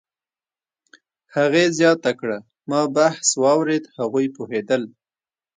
هغې زیاته کړه: "ما بحث واورېد، هغوی پوهېدل